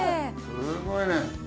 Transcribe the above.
すごいね。